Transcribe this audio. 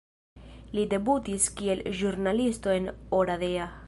Li debutis kiel ĵurnalisto en Oradea.